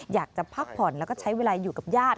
อยากจะพักผ่อนแล้วก็ใช้เวลาอยู่กับญาติ